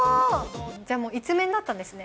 じゃあもう、いつメンだったんですね。